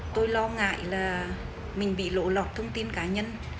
tôi lo ngại là mình bị lộ lọt thông tin cá nhân